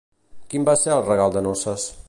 Quin va ser el regal de noces?